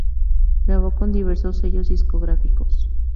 Grabó con diversos sellos discográficos.